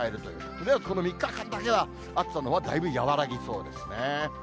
とりあえずこの３日間だけは、暑さのほうはだいぶ和らぎそうですね。